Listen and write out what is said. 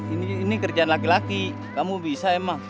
ini kerjaan laki laki kamu bisa emang